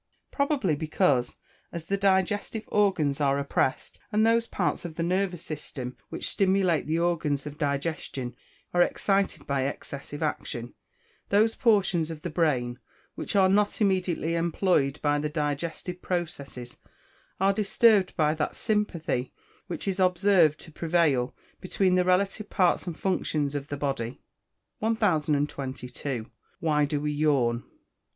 _ Probably because, as the digestive organs are oppressed, and those parts of the nervous system which stimulate the organs of digestion are excited by excessive action, those portions of the brain which are not immediately employed by the digestive process are disturbed by that sympathy which is observed to prevail between the relative parts and functions of the body. 1022. _Why do we yawn?